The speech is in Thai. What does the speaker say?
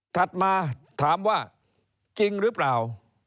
ถัดมาถามว่าจริงหรือเปล่า